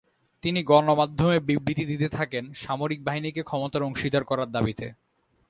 তিনি গণমাধ্যমে বিবৃতি দিতে থাকেন সামরিক বাহিনীকে ক্ষমতার অংশীদার করার দাবিতে।